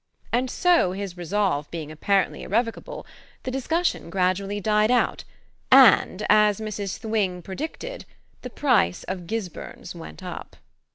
And so his resolve being apparently irrevocable the discussion gradually died out, and, as Mrs. Thwing had predicted, the price of "Gisburns" went up.